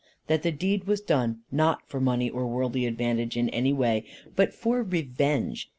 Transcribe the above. That the deed was done, not for money, or worldly advantage in any way, but for revenge.